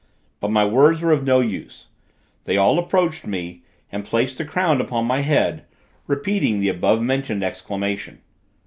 But my words were of no use. They all approached me, and placed the crown upon my head, repeating the above mentioned exclamation.